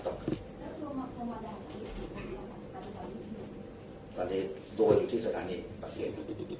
ตอนนี้ตัวอยู่ที่สถานีปากเขต